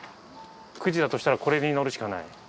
９時だとしたらこれに乗るしかない。